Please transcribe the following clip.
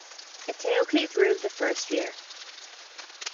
Eteocles ruled the first year.